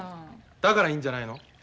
だからいいんじゃないの？